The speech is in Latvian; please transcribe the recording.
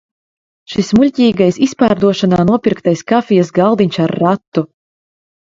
Šis muļķīgais izpārdošanā nopirktais kafijas galdiņš ar ratu!